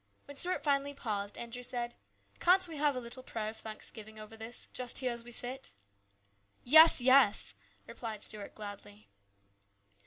When Stuart finally paused, Andrew said, " Can't we have a little prayer of thanksgiving over this, just here as we sit ?"" Yes, yes," replied Stuart gladly.